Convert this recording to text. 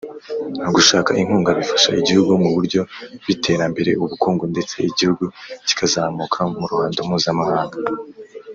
Gushaka inkunga bifasha igihugu mu buryo b’ iterambere ,ubukungu ndetse igihugu cyikazamuka muruhando muzamahanga